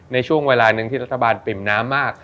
ในช่วงเวลาหนึ่งที่รัฐบาลปิ่มน้ำมาก